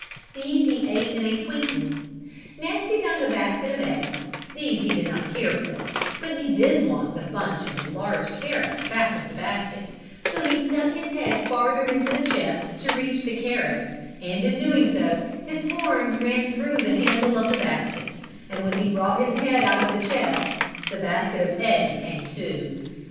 These he ate in a twinkling; next he found a basket of eggs, these he did not care for, but he did want the bunch of large carrots back of the basket, so he stuck his head farther into the chest to reach the carrots and in doing so, his horns ran through the handle of the basket and when he brought his head out of the chest, the basket of eggs came too.